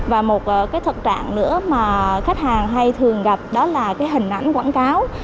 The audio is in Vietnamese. và một cái thực trạng nữa mà khách hàng hay thường gặp đó là cái hình ảnh quảng cáo